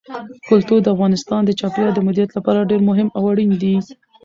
کلتور د افغانستان د چاپیریال د مدیریت لپاره ډېر مهم او اړین دي.